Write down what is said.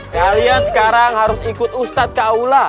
kalian sekarang harus ikut ustadz ke aula